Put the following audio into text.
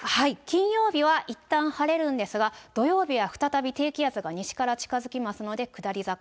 金曜日はいったん晴れるんですが、土曜日は再び低気圧が西から近づきますので下り坂。